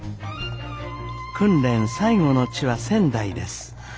訓練最後の地は仙台です。